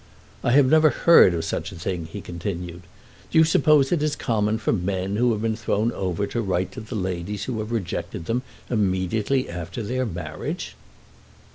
"I have never heard of such a thing," he continued. "Do you suppose it is common for men who have been thrown over to write to the ladies who have rejected them immediately after their marriage?"